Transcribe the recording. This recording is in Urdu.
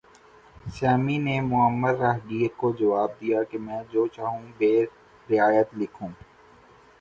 سیمی نے معمر راہگیر کو جواب دیا کہ میں جو چاہوں بہ رعایت لکھوں